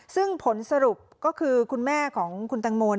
ซึ่งผลสรุปก็คือคุณแม่ของคุณตังโม